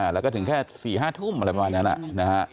แล้วก็ถึงแค่๔๕ทุ่มอะไรประมาณนั้นนะฮะ